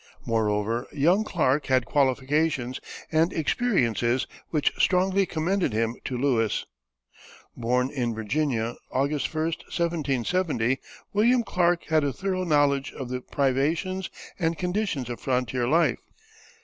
Moreover young Clark had qualifications and experiences which strongly commended him to Lewis. Born in Virginia, August 1, 1770, William Clark had a thorough knowledge of the privations and conditions of frontier life.